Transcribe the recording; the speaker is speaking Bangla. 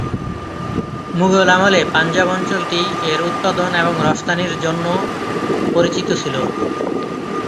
মুঘল আমলে পাঞ্জাব অঞ্চলটি এর উৎপাদন এবং রফতানির জন্য পরিচিত ছিল।